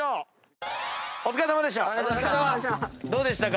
お疲れさまでした。